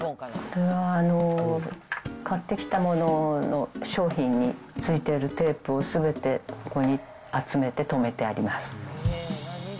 これは買ってきたものの商品についているテープをすべてここに集めて留めてあります。